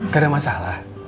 gak ada masalah